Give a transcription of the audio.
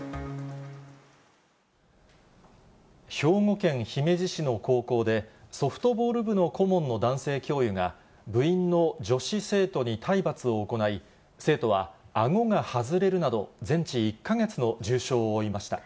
兵庫県姫路市の高校で、ソフトボール部の顧問の男性教諭が、部員の女子生徒に体罰を行い、生徒はあごが外れるなど、全治１か月の重傷を負いました。